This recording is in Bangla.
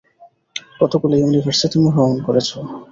কতগুলো ইউনিভার্সে তুমি ভ্রমণ করেছো?